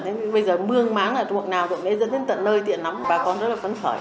thế bây giờ mương máng là ruộng nào ruộng này dân đến tận nơi tiện lắm bà con rất là phấn khởi